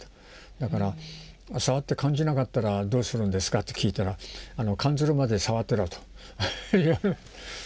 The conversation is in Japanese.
だから「触って感じなかったらどうするんですか？」と聞いたら「感ずるまで触ってろ」と言われ。